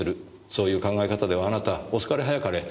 そういう考え方ではあなた遅かれ早かれ